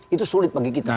itu sulit bagi kita